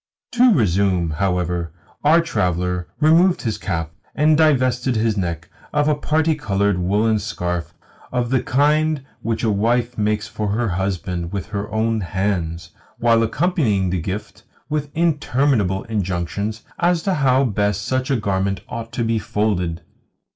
To resume, however our traveller removed his cap, and divested his neck of a parti coloured woollen scarf of the kind which a wife makes for her husband with her own hands, while accompanying the gift with interminable injunctions as to how best such a garment ought to be folded.